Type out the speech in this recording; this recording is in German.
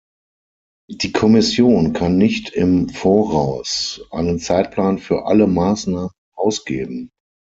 Die Kommission kann nicht im Voraus einen Zeitplan für alle Maßnahmen ausgeben.